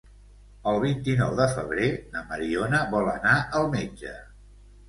El vint-i-nou de febrer na Mariona vol anar al metge.